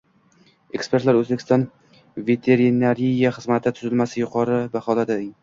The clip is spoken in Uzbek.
Ekspertlar O‘zbekiston veterinariya xizmati tuzilmasini yuqori baholading